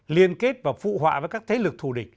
liên kết và phụ họa với các thế lực thù địch